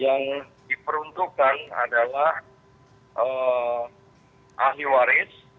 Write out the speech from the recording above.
yang diperuntukkan adalah ahli waris